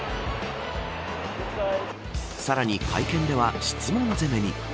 さらに会見では質問攻めに。